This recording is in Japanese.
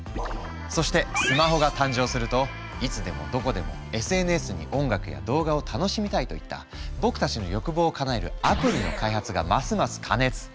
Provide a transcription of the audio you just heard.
そしてスマホが誕生するといつでもどこでもＳＮＳに音楽や動画を楽しみたいといった僕たちの欲望をかなえるアプリの開発がますます過熱。